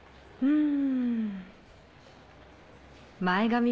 うん。